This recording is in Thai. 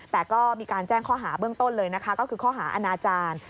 แต่ก็มีการแจ้งข้อหาเบื้องต้นเลยนะคะก็คือข้อหาอาณาจารย์